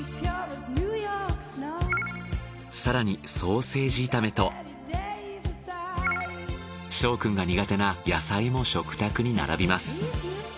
更にソーセージ炒めと翔くんが苦手な野菜も食卓に並びます。